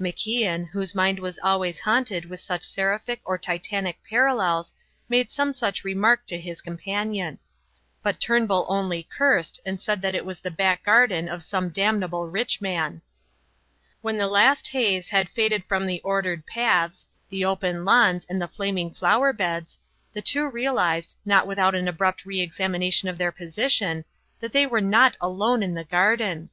MacIan, whose mind was always haunted with such seraphic or titanic parallels, made some such remark to his companion. But Turnbull only cursed and said that it was the back garden of some damnable rich man. When the last haze had faded from the ordered paths, the open lawns, and the flaming flower beds, the two realized, not without an abrupt re examination of their position, that they were not alone in the garden.